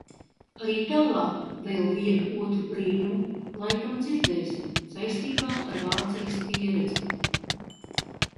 Arī tālāk vēl vienu otru brīnumu laikam dzirdēsim saistībā ar Vācijas pieredzi.